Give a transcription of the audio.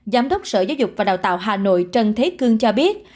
giám đốc sở giáo dục và đào tạo hà nội trần thế cương cho biết